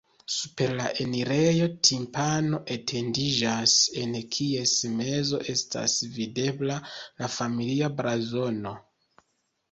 Super la enirejo timpano etendiĝas, en kies mezo estas videbla la familia blazono.